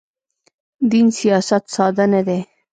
دین سیاست ساده نه دی.